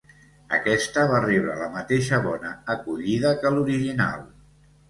Aquesta va rebre la mateixa bona acollida que l’original.